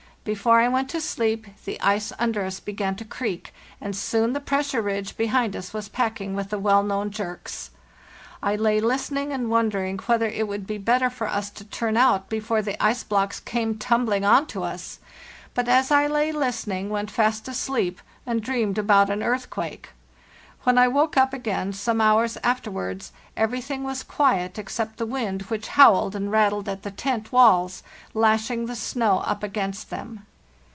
Be fore I went to sleep the ice under us began to creak, and soon the pressure ridge behind us was packing with the o whether well known jerks. I lay listening and wondering it would be better for us to turn out before the ice blocks came tumbling on to us, but as I lay listening went fast asleep and dreamed about an earthquake. When I woke up again, some hours afterwards, everything was quiet except the wind, which howled and rattled at the tent walls, lashing the snow up against them.